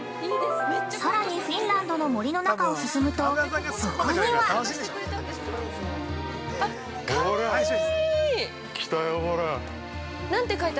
◆さらにフィンランドの森の中を進むと、そこには。◆かわいい！